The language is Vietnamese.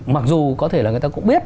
mặc dù có thể là người ta cũng biết